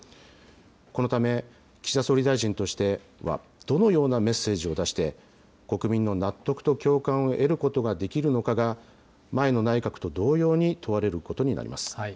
このため、岸田総理大臣としてはどのようなメッセージを出して、国民の納得を共感を得ることができるのかが、前の内閣と同様に問われることになります。